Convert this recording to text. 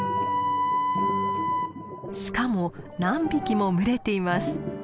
しかも何匹も群れています。